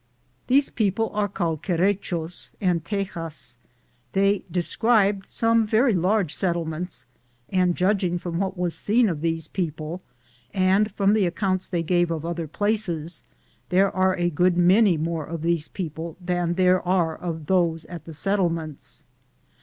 These people are called Querechos and Teyas. They described some large settlements, and judging from what was seen of these people and from the ac counts they gave of other places, there are a good many more of these people than there are of those at the settlements.